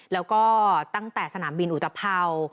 แล้วก็ตั้งแต่สนามบินอุตภัวร์